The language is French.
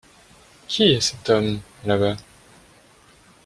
Qui est cet homme, là-bas ?